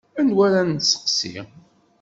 Anwa ara nesteqsi?